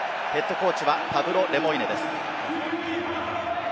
ＨＣはパブロ・レモイネです。